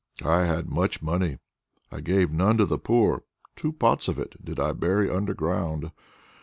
I had much money: I gave none to the poor, two pots of it did I bury underground.